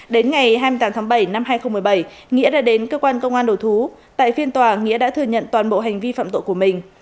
đến ngày hai mươi tám tháng bảy năm hai nghìn một mươi bảy nghĩa đã đến cơ quan công an đầu thú tại phiên tòa nghĩa đã thừa nhận toàn bộ hành vi phạm tội của mình